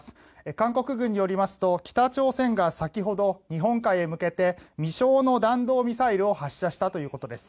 韓国軍によりますと北朝鮮が先ほど日本海へ向けて未詳の弾道ミサイルを発射したということです。